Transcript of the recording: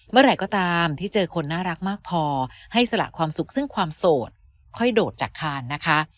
เมื่อไหร่ก็ตามที่เจอคนน่ารักมากพอให้สละความสุขซึ่งความโสดค่อยโดดจากคานนะคะ